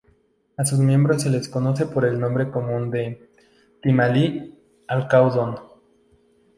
A sus miembros se les conoce por el nombre común de timalí-alcaudón.